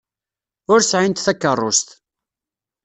Ur sɛint takeṛṛust.